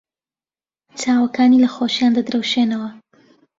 چاوەکانی لە خۆشییان دەدرەوشێنەوە.